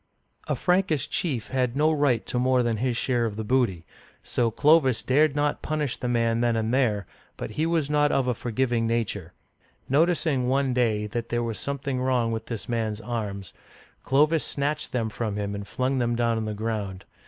'* A Frankish chief had no right to more than his share of the booty, so Clovis dared not punish the man then and there, but he was not of a forgiving nature. Noticing, one day, that there was something wrong with this man's arms, Clovis snatched them from him and flung them down Digitized by Google CLOVIS (481 51 1) 49 on the ground.